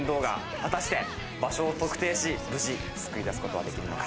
果たして場所を特定し、無事救い出すことはできるのか。